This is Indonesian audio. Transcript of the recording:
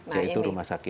yaitu rumah sakit